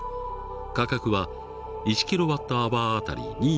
価格は１キロワットアワー当たり２．６円。